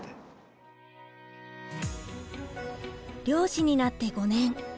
漁師になって５年。